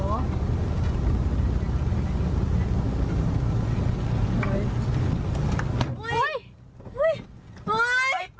โอ๊ย